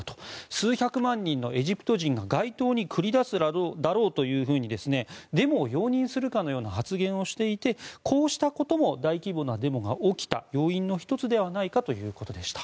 数百万人のエジプト人が街頭に繰り出すだろうとデモを容認するかのような発言をしていてこうしたことも大規模なデモが起きた要因の１つではないかということでした。